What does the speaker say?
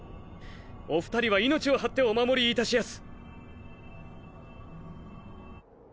お２人は命を張ってお護り致しやす。